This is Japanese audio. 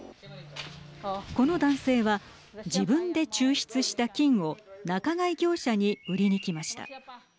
この男性は自分で抽出した金を仲買業者に売りにきました。